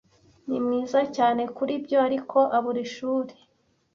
Ni mwiza cyane kuri byo, ariko abura ishuri.